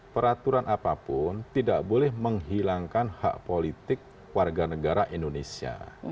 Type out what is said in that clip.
peraturan apapun tidak boleh menghilangkan hak politik warga negara indonesia